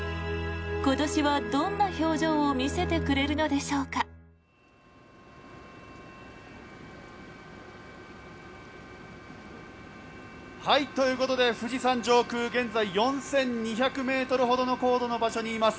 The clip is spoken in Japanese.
今年はどんな表情を見せてくれるのでしょうか。ということで富士山上空現在４２００ｍほどの高度の場所にいます。